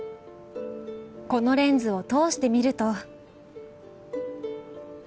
このレンズを通して見ると。